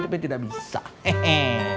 tapi tidak bisa hehehe